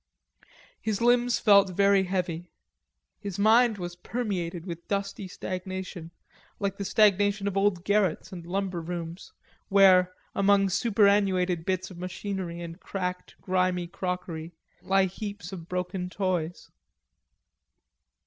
His limbs felt very heavy; his mind was permeated with dusty stagnation like the stagnation of old garrets and lumber rooms, where, among superannuated bits of machinery and cracked grimy crockery, lie heaps of broken toys.